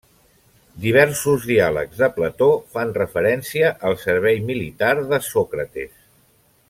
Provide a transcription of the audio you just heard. Diversos diàlegs de Plató fan referència al servei militar de Sòcrates.